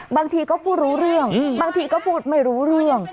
บางทีก็พูดรู้เรื่องบางทีก็พูดไม่รู้เรื่อง